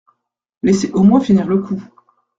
Laissez au moins finir le coup.